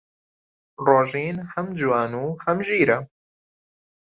ڕۆژین هەم جوان و هەم ژیرە.